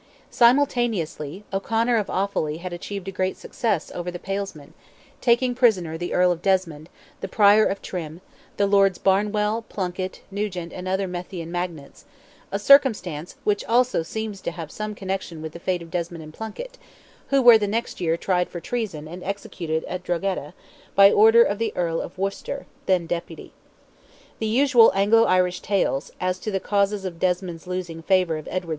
Simultaneously, O'Conor of Offally had achieved a great success over the Palesmen, taking prisoner the Earl of Desmond, the Prior of Trim, the Lords Barnwall, Plunkett, Nugent, and other Methian magnates—a circumstance which also seems to have some connection with the fate of Desmond and Plunkett, who were the next year tried for treason and executed at Drogheda, by order of the Earl of Worcester, then Deputy. The usual Anglo Irish tales, as to the causes of Desmond's losing the favour of Edward IV.